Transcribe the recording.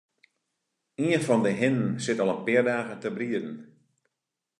Ien fan 'e hinnen sit al in pear dagen te brieden.